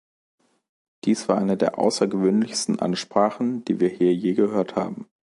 Dies war eine der außergewöhnlichsten Ansprachen, die wir hier je gehört haben.